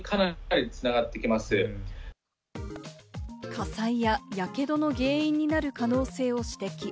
火災や、やけどの原因になる可能性を指摘。